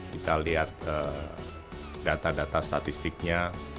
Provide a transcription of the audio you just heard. kita lihat data data statistiknya